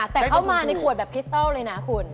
แต่เข้ามาในขวดแบบผลิตภัณฑ์เลยนะคุณ